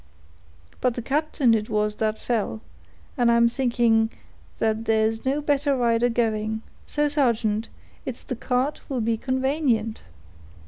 But the captain it was that fell, and I'm thinking that there's no better rider going; so, sargeant, it's the cart will be convanient.